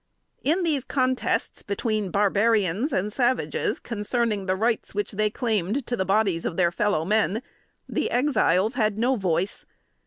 In these contests between barbarians and savages, concerning the rights which they claimed to the bodies of their fellow men, the Exiles had no voice.